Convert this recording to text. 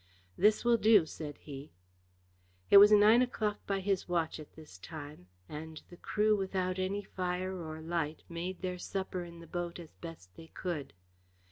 "This will do," said he. It was nine o'clock by his watch at this time, and the crew without any fire or light made their supper in the boat as best they could.